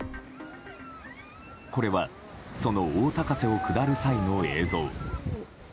これはその大高瀬を下る際の映像。